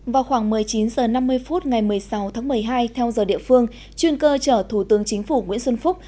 vào khoảng một mươi chín h năm mươi phút ngày một mươi sáu tháng một mươi hai theo giờ địa phương chuyên cơ chở thủ tướng chính phủ nguyễn xuân phúc